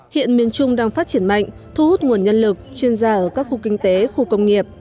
hiện miền trung đang phát triển mạnh thu hút nguồn nhân lực chuyên gia ở các khu kinh tế khu công nghiệp